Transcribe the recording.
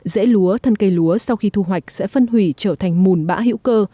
dễ lúa thân cây lúa sau khi thu hoạch sẽ phân hủy trở thành mùn bã hữu cơ